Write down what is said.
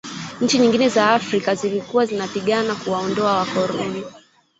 nchi nyingi za afrika zilikuwa zinapigana kuwaondoa wakolono